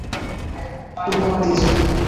ওরে, তামাক দিয়ে যা।